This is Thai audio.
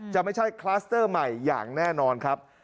จะไม่ใช่คลัสเตอร์ใหม่อย่างแน่นอนครับ